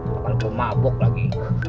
pakar pemabok lagi